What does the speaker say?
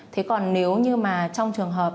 thế còn nếu như trong trường hợp